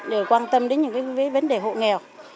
để quan tâm đến những vấn đề hộ nghèo